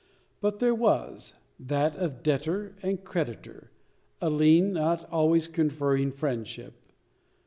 But there was that of debtor and creditor a lien not always conferring friendship.